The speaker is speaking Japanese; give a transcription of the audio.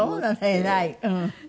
偉い。